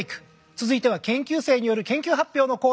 続いては研究生による研究発表のコーナー。